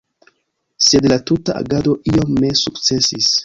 Sed la tuta agado iom ne sukcesis.